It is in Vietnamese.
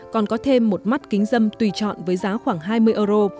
còn có thêm một mắt kính dâm tùy chọn với giá khoảng hai mươi euro